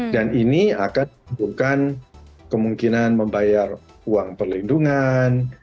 dan ini akan menunjukkan kemungkinan membayar uang perlindungan